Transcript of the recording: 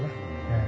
ええ。